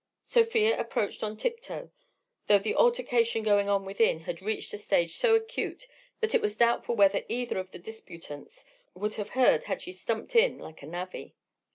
Sofia approached on tiptoe, though the altercation going on within had reached a stage so acute that it was doubtful whether either of the disputants would have heard had she stumped like a navvy.